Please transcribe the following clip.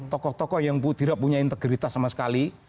tokoh tokoh yang tidak punya integritas sama sekali